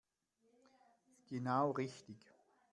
Genau richtig.